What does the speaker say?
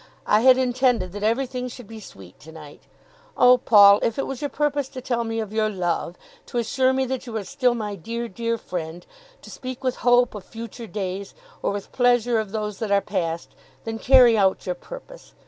I had intended that everything should be sweet to night. Oh, Paul, if it was your purpose to tell me of your love, to assure me that you are still my dear, dear friend, to speak with hope of future days, or with pleasure of those that are past, then carry out your purpose.